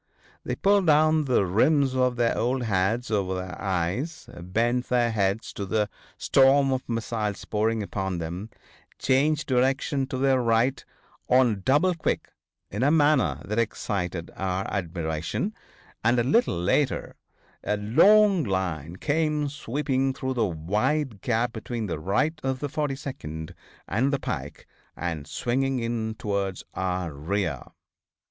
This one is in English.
They pulled down the rims of their old hats over their eyes, bent their heads to the storm of missiles pouring upon them, changed direction to their right on double quick in a manner that excited our admiration, and a little later a long line came sweeping through the wide gap between the right of the 42d and the pike, and swinging in towards our rear.